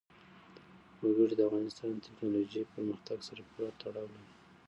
وګړي د افغانستان د تکنالوژۍ پرمختګ سره پوره تړاو لري.